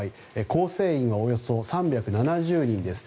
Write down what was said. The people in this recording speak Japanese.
構成員はおよそ３７０人です。